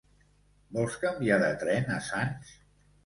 Vols canviar de tren a Sants?